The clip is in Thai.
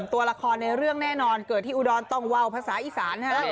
ตัวละครในเรื่องแน่นอนเกิดที่อุดรต้องว่าวภาษาอีสาน